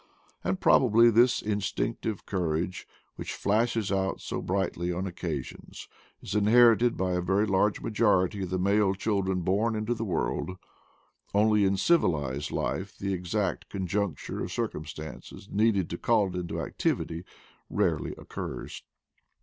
And probably this instinctive cour age, which flashes out so brightly on occasions, is inherited by a very large majority of the male children born into the world ; only in civilized life the exact conjuncture of circumstances needed to call it into activity rarely occurs.